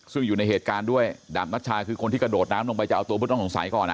ซึ่งอยู่ในเหตุการณ์ด้วยดาบนัชชาคือคนที่กระโดดน้ำลงไปจะเอาตัวผู้ต้องสงสัยก่อน